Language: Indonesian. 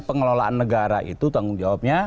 pengelolaan negara itu tanggung jawabnya